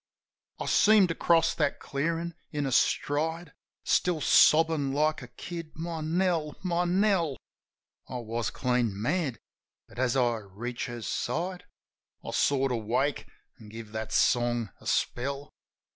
I seem to cross that clearin' in a stride. Still sobbin' like a kid : "My Nell ! My Nell !" I was clean mad. But, as I reach her side, I sort of wake, an' give that song a spell.